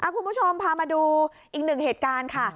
คุณผู้ชมพามาดูอีกหนึ่งเหตุการณ์ค่ะ